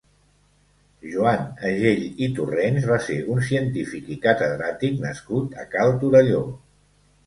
Joan Agell i Torrents va ser un científic i catedràtic nascut a Cal Torelló.